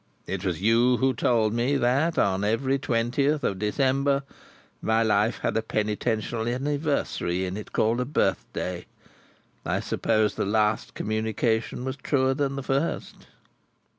It was you who told me that on every twentieth of December my life had a penitential anniversary in it called a birthday. I suppose the last communication was truer than the first!"